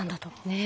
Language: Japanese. ねえ。